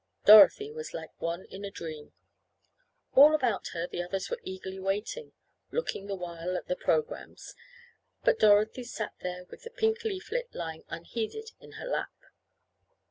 Dorothy was like one in a dream. All about her the others were eagerly waiting, looking the while at the programmes, but Dorothy sat there with the pink leaflet lying unheeded in her lap.